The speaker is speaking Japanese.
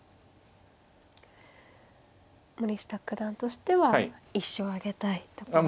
森下九段としては１勝挙げたいところで。